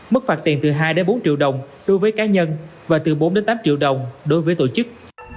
mức phạt tiền từ hai bốn triệu đồng đối với cá nhân và từ bốn tám triệu đồng đối với tổ chức